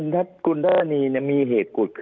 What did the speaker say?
ภารกิจสรรค์ภารกิจสรรค์